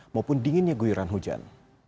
maupun dinginnya guyuran hujan